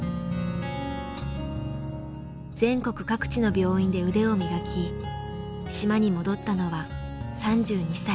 全国各地の病院で腕を磨き島に戻ったのは３２歳。